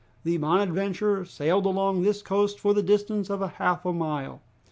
The "Bonadventure" sailed along this coast for the distance of half a mile.